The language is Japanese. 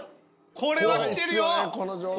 これはきてるよ。